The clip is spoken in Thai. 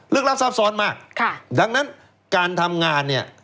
เรื่องรับทราบสอนมากดังนั้นการทำงานเนี่ย